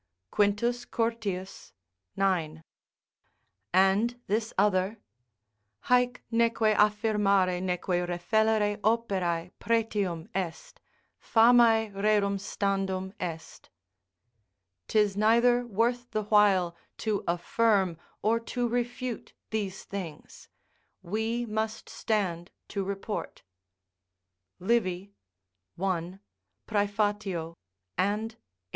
Quintus Curtius, ix.] and this other: "Haec neque affirmare neque refellere operae pretium est; famae rerum standum est." ["'Tis neither worth the while to affirm or to refute these things; we must stand to report" Livy, i., Praef., and viii.